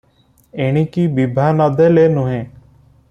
ଏଣିକି ବିଭା ନ ଦେଲେ ନୁହେ ।